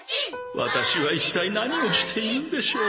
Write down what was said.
ワタシは一体何をしているんでしょう？